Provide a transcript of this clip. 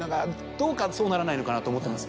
どうかそうならないのかなと思ってます。